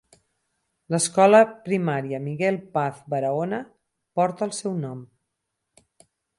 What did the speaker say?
L'escola primària Miguel Paz Barahona porta el seu nom.